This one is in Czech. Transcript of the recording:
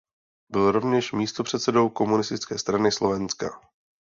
Byl rovněž místopředsedou Komunistické strany Slovenska.